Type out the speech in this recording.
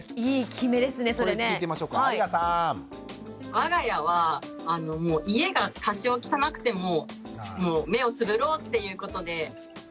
我が家は家が多少汚くても目をつぶろうっていうことではい。